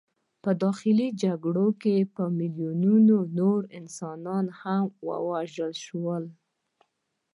په داخلي جګړو کې په میلیونونو نور انسانان هم ووژل شول.